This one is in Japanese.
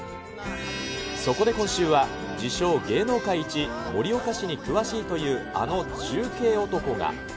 そこで今週は自称芸能界一、盛岡市に詳しいというあの中継男が。